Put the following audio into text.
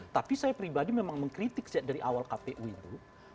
tapi saya pribadi memang mengkritik dari awal kpu itu